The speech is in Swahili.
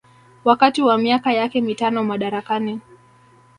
wakati wa miaka yake mitano madarakani